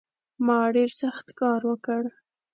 ما ډېر سخت کار وکړ